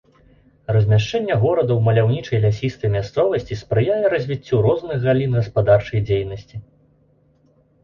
Размяшчэнне горада ў маляўнічай лясістай мясцовасці спрыяе развіццю розных галін гаспадарчай дзейнасці.